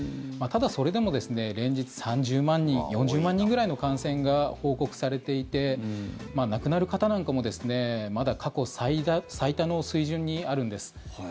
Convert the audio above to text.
ただ、それでも連日３０万人、４０万人ぐらいの感染が報告されていて亡くなる方なんかもまだ過去最多の水準にあるんです。